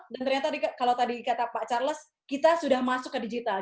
dan ternyata kalau tadi kata pak charles kita sudah masuk ke digital